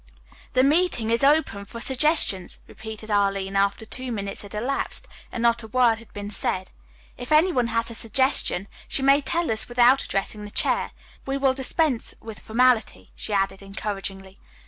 "The meeting is open for suggestions," repeated Arline after two minutes had elapsed and not a word had been said. "If any one has a suggestion, she may tell us without addressing the chair. We will dispense with formality," she added encouragingly.